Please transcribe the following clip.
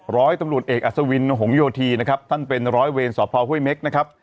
ร้อยตำรวจเอกอัศวินหงโยธีนะครับท่านเป็นร้อยเวรสพห้วยเม็กนะครับ